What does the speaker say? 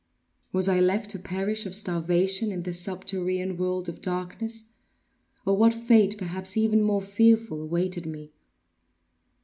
Was I left to perish of starvation in this subterranean world of darkness; or what fate, perhaps even more fearful, awaited me?